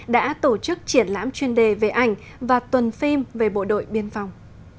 đã tổ chức triển lãm chuyên đề về ảnh và tuần phim về bộ đội biên phòng